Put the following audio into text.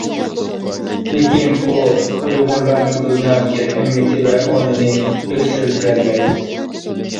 لېكىن ئۇ ئۇيغۇرلارنىڭ دۇنيادىكى قىممىتى ۋە ئورنىنى ئۆستۈرۈپ بېرەلمەيدۇ.